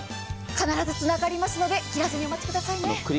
必ずつながりますので切らずにお待ちくださいね。